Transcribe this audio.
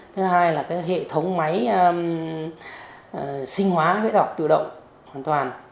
thứ hai là cái hệ thống máy sinh hóa vẽ đọc tự động hoàn toàn